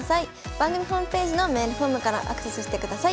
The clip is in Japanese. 番組ホームページのメールフォームからアクセスしてください。